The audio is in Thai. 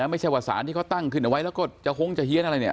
ไม่ใช่ว่าสารที่เขาตั้งขึ้นเอาไว้แล้วก็จะหงจะเฮียนอะไรเนี่ย